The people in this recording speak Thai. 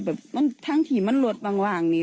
แบบทั้งทีมันลดบางวางนี้